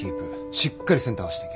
しっかりセンター合わしていけ！